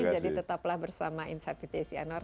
jadi tetaplah bersama insight pt sianor